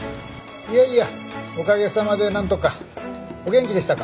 いやいやおかげさまでなんとか。お元気でしたか？